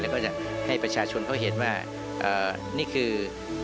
แล้วก็จะให้ประชาชนเขาเห็นว่านี่คือ